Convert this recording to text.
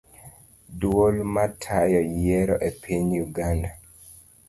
Duol matayo yiero epiny uganda